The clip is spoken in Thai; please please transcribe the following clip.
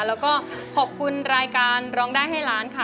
แล้วก็ขอบคุณรายการร้องได้ให้ล้านค่ะ